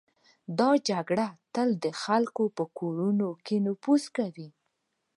دا جګړه تل د خلکو په کورونو کې نفوذ کوي.